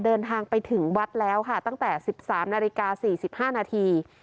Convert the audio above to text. เดินทางไปถึงวัดแล้วค่ะตั้งแต่สิบสามนาฬิกาสี่สิบห้านาที